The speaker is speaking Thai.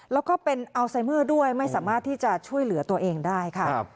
แล้วก็เป็นอัลไซเมอร์ด้วยไม่สามารถที่จะช่วยเหลือตัวเองได้ค่ะ